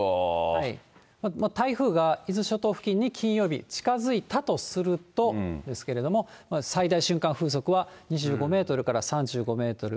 台風が伊豆諸島付近に金曜日、近づいたとするとですけれども、最大瞬間風速は２５メートルから３５メートル。